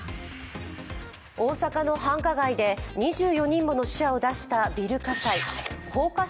大阪の繁華街で２４人もの死者を出したビル火災。